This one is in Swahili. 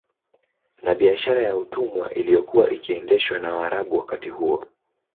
Na biashara ya utumwa iliyokuwa ikiendeshwa na Waarabu wakati huo